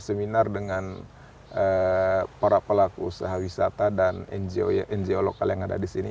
seminar dengan para pelaku usaha wisata dan ngo ngo lokal yang ada di sini